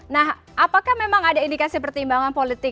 nah apakah memang ada indikasi pertimbangan politik